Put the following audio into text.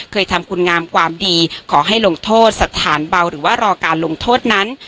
เคยทำคุณงามความดีขอให้ลงโทษสถานเบาหรือว่ารอการลงโทษนั้น